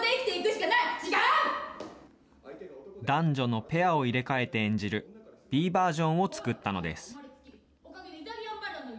男女のペアを入れ替えて演じる、Ｂバージョンを作ったのです。